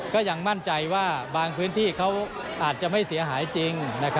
ก็ยังมั่นใจว่าบางพื้นที่เขาอาจจะไม่เสียหายจริง